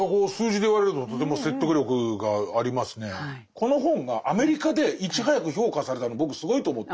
この本がアメリカでいち早く評価されたの僕すごいと思って。